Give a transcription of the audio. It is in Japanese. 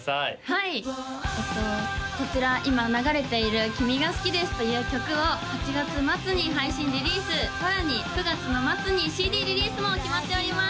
はいこちら今流れている「君が好きです！」という曲を８月末に配信リリースさらに９月の末にＣＤリリースも決まっております！